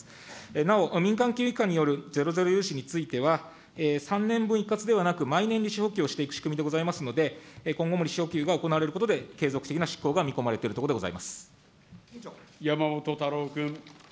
なお民間金融機関によるゼロゼロ融資については、３年分一括ではなく、毎年利子補給をしていく仕組みでございますので、今後、利子補給が行われることで継続的な執行が見込まれているところで山本太郎君。